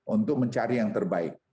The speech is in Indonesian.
untuk mencari yang terbaik